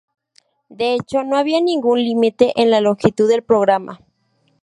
De hecho no había ningún límite en la longitud del programa.